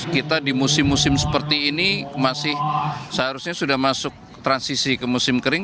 kita di musim musim seperti ini masih seharusnya sudah masuk transisi ke musim kering